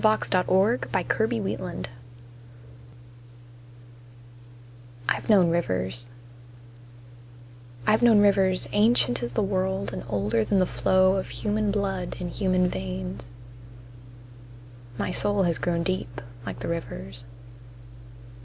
W X . Y Z The Negro Speaks of Rivers I'VE known rivers: I've known rivers ancient as the world and older than the flow of human blood in human veins. My soul has grown deep like the rivers.